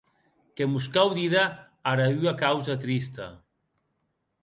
Que mos cau díder ara ua causa trista.